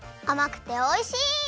あまくておいしい！